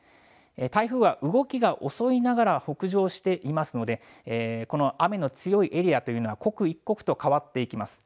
台風は動きが遅いながら北上していますのでこの雨の強いエリアというのは刻一刻と変わっていきます。